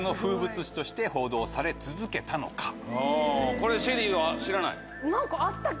これＳＨＥＬＬＹは知らない？